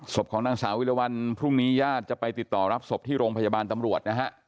ศพของนางสาววิรวรรณพรุ่งนี้ญาติจะไปติดต่อรับศพที่โรงพยาบาลตำรวจนะฮะ